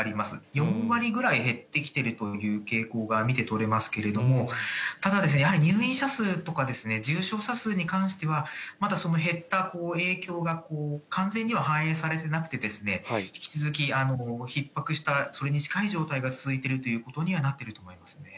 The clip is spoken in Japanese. ４割ぐらい減ってきてるという傾向が見て取れますけれども、ただ、やはり入院者数とか、重症者数に関しては、まだ減った影響が完全には反映されてなくて、引き続きひっ迫した、それに近い状態が続いているということになっていると思います。